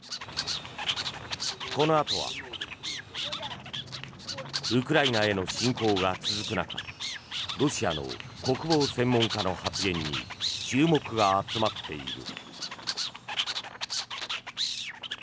このあとはウクライナへの侵攻が続く中ロシアの国防専門家の発言に注目が集まっている。